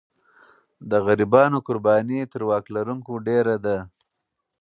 د غریبانو قرباني تر واک لرونکو ډېره ده.